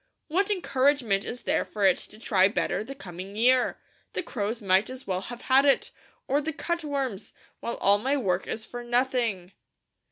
What encouragement is there for it to try better the coming year? The crows might as well have had it, or the cutworms; while all my work is for nothing."